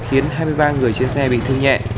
khiến hai mươi ba người trên xe bị thương nhẹ